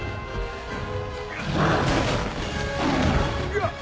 うわっ！